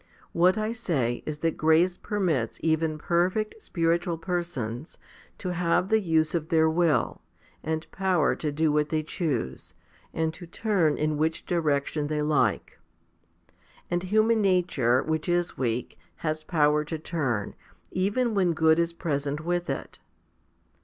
What I say is that grace permits even perfect spiritual persons to have the use of their will, and power to do what they choose, and to turn in which direction they like. And human nature, which is weak, has power to turn, even when good is present with it.